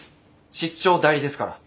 室長代理ですから。